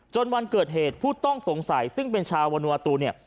วันเกิดเหตุผู้ต้องสงสัยซึ่งเป็นชาววนัตูเนี่ย